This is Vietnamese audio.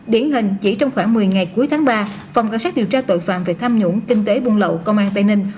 điển hình chỉ trong khoảng một mươi ngày cuối tháng ba phòng cảnh sát điều tra tội phạm về tham nhũng kinh tế buôn lậu công an tây ninh